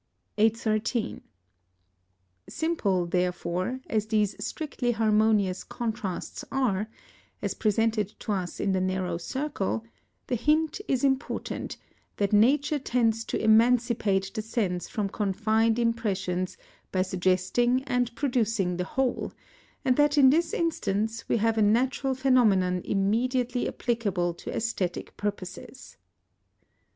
813. Simple, therefore, as these strictly harmonious contrasts are, as presented to us in the narrow circle, the hint is important, that nature tends to emancipate the sense from confined impressions by suggesting and producing the whole, and that in this instance we have a natural phenomenon immediately applicable to æsthetic purposes.